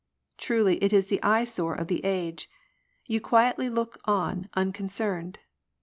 Truly it is the eye sore of the age. You quietly look on unconcerned